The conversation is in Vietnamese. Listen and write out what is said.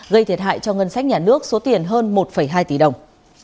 gây thiệt hại cho ngân sách nhà nước số tiền hơn một hai tỷ đồng